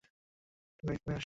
তুমি এক্ষুনি আসো।